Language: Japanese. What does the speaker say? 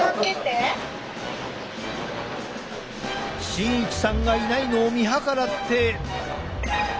慎一さんがいないのを見計らって。